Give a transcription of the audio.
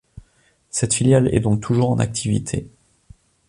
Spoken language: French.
Cette filiale est donc toujours en activité.